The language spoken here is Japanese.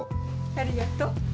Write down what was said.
ありがとう。